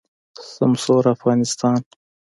سمسور افغانستان